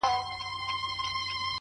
شماره هغه بس چي خوی د سړو راوړي،